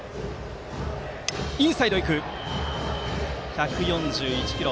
１４１キロ。